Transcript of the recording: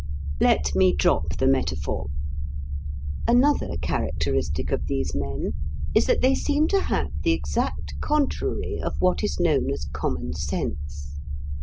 Let me drop the metaphor. Another characteristic of these men is that they seem to have the exact contrary of what is known as common sense.